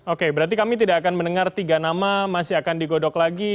oke berarti kami tidak akan mendengar tiga nama masih akan digodok lagi